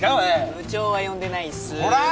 部長は呼んでないっすコラー！